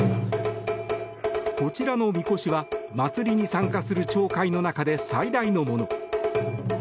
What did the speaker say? こちらのみこしは祭りに参加する町会の中で最大のもの。